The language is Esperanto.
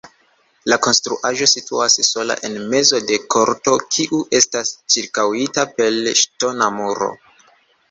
La konstruaĵo situas sola en mezo de korto, kiu estas ĉirkaŭita per ŝtona muro.